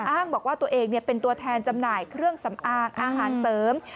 อ้างบอกว่าตัวเองเป็นตัวแทนจำหน่ายเครื่องสำอางอาหารเสริม